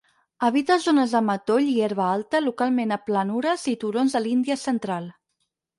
Habita zones de matoll i herba alta localment a planures i turons de l'Índia Central.